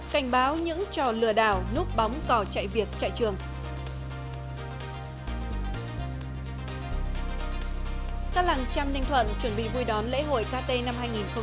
các làng tram ninh thuận chuẩn bị vui đón lễ hội kt năm hai nghìn một mươi sáu